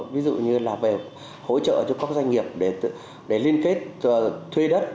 ví dụ như là về hỗ trợ cho các doanh nghiệp để liên kết thuê đất